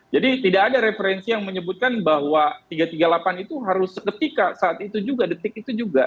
jadi tidak ada referensi yang menyebutkan bahwa tiga ratus tiga puluh delapan itu harus seketika saat itu juga detik itu juga